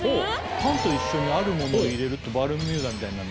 パンと一緒にあるモノを入れるとバルミューダみたいになる。